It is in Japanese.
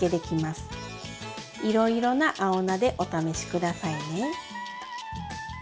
いろいろな青菜でお試し下さいね。